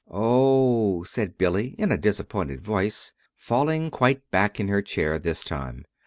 "Oh h!" said Billy, in a disappointed voice, falling quite back in her chair this time.